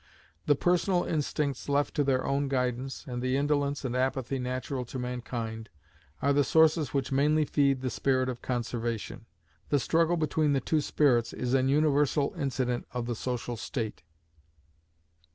The personal instincts left to their own guidance, and the indolence and apathy natural to mankind, are the sources which mainly feed the spirit of Conservation. The struggle between the two spirits is an universal incident of the social state.